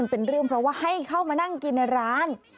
เป็นเรื่องเพราะว่าให้เข้ามานั่งกินในร้าน